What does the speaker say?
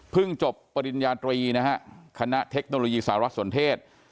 จบปริญญาตรีนะฮะคณะเทคโนโลยีสารสนเทศ